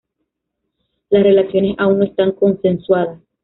Las relaciones aún no están consensuadas.